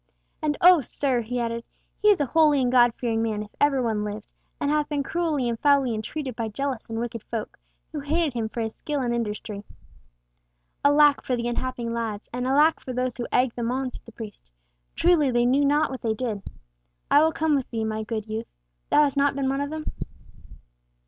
"And oh, sir!" he added, "he is a holy and God fearing man, if ever one lived, and hath been cruelly and foully entreated by jealous and wicked folk, who hated him for his skill and industry." "Alack for the unhappy lads; and alack for those who egged them on," said the priest. "Truly they knew not what they did. I will come with thee, my good youth. Thou hast not been one of them?"